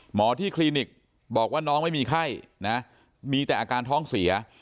หมอที่คลินิกบอกว่าน้องไม่มีไข้นะมีแต่อาการท้องเสีย